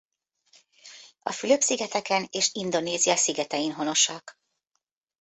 A Fülöp-szigeteken és Indonézia szigetein honosak.